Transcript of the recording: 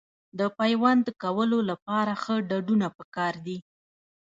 د پیوند کولو لپاره ښه ډډونه پکار دي.